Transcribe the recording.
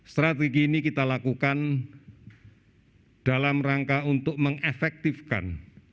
strategi ini kita lakukan dalam rangka untuk mengefektifkan